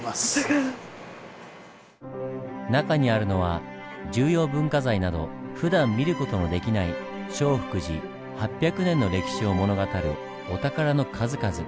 中にあるのは重要文化財などふだん見る事のできない聖福寺８００年の歴史を物語るお宝の数々。